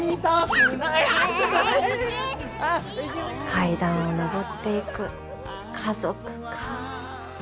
階段を上っていく家族かあ。